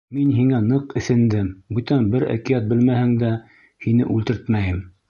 Мин һиңә ныҡ эҫендем, бүтән бер әкиәт белмәһәң дә, һине үлтертмәйем.